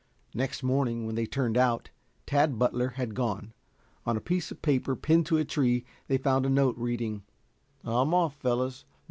Next morning when they turned out, Tad Butler had gone. On a piece of paper pinned to a tree they found a note reading: "I'm off, fellows.